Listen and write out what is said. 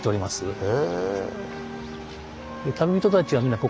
へえ。